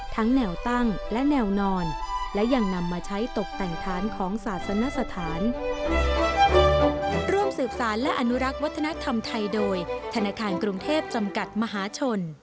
ทั้งแนวตั้งและแนวนอนและยังนำมาใช้ตกแต่งทานของศาสนสถาน